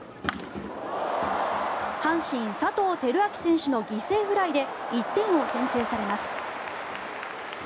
阪神、佐藤輝明選手の犠牲フライで１点を先制されます。